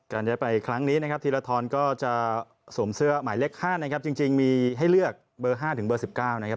การจะไปครั้งนี้นะครับทีละทอนก็จะสวมเสื้อหมายเล็กห้านะครับจริงจริงมีให้เลือกเบอร์ห้าถึงเบอร์สิบเก้านะครับ